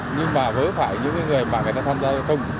nhưng mà với phải những người mà người ta tham gia giao thông